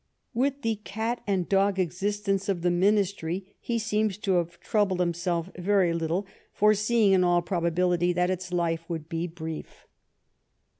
With the cat and dog existence of the Ministry he seems to have troubled himself very little ; foreseeing, in all probability, that its life would be brief.